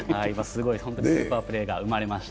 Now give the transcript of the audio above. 本当にスーパープレーが生まれました。